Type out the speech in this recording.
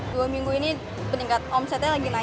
dua minggu ini peningkat omsetnya lagi naik